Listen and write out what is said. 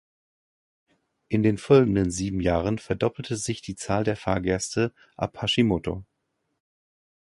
In den folgenden sieben Jahren verdoppelte sich die Zahl der Fahrgäste ab Hashimoto.